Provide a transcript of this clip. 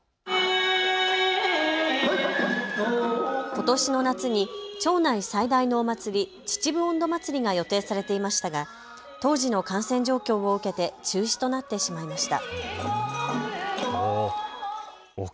ことしの夏に町内最大のお祭り、秩父音頭まつりが予定されていましたが当時の感染状況を受けて中止となってしまいました。